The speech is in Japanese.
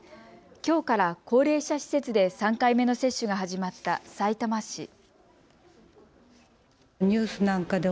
きょうから高齢者施設で３回目の接種が始まったさいたま市。